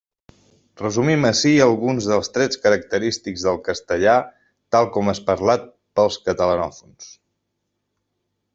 Resumim ací alguns dels trets característics del castellà tal com és parlat pels catalanòfons.